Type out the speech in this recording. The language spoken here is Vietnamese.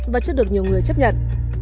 và chưa được nhiều người chấp nhận